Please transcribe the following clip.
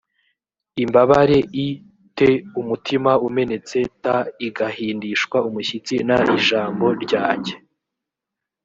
imbabare i te umutima umenetse t igahindishwa umushyitsi n ijambo ryanjye